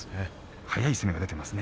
速い攻めが出ていますね。